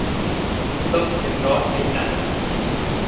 உந்தம் என்றால் என்ன?